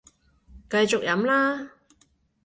繼續飲啦